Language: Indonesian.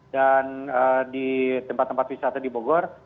dan di tempat tempat wisata di bogor